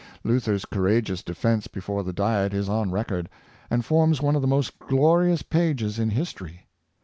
Luther's courageous defense before the Diet is on record, and forms one of the most glorious pages in history.